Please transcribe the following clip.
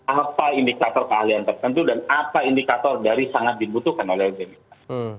apa indikator keahlian tertentu dan apa indikator dari sangat dibutuhkan oleh organisasi